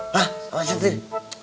hah sama siti